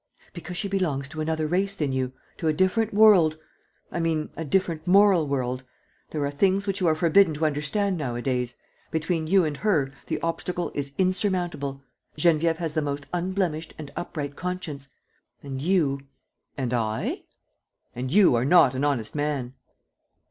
"Because she belongs to another race than you, to a different world. ... I mean, a different moral world. ... There are things which you are forbidden to understand nowadays. Between you and her, the obstacle is insurmountable. ... Geneviève has the most unblemished and upright conscience ... and you ..." "And I?" "And you are not an honest man!"